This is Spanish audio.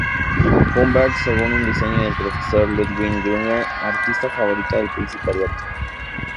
Humbert según un diseño del profesor Ludwig Gruner, artista favorito del príncipe Alberto.